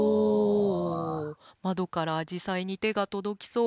窓からあじさいに手が届きそう。